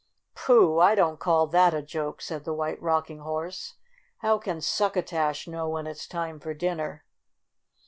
"Pooh! I don't call that a joke," said the White Rocking Horse. "How can succotash know when it's time for din ner?"